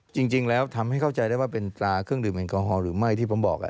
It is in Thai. จริงแล้วทำให้เข้าใจได้ว่าเป็นตราเครื่องดื่มแอลกอฮอลหรือไม่ที่ผมบอก